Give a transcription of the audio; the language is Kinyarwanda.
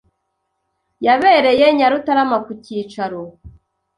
yabereye Nyarutarama ku cyicaro